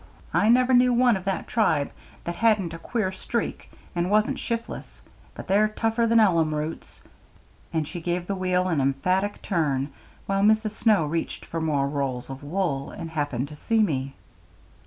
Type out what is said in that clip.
"I never knew one of that tribe that hadn't a queer streak and wasn't shif'less; but they're tougher than ellum roots;" and she gave the wheel an emphatic turn, while Mrs. Snow reached for more rolls of wool, and happened to see me.